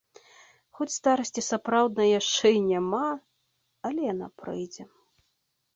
Хоць старасці сапраўднай яшчэ і няма, але яна прыйдзе.